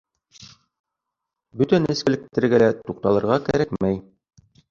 Бөтә нескәлектәргә лә туҡталырға кәрәкмәй